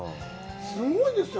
すごいですよ